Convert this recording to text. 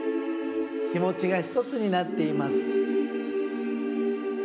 きもちがひとつになっています。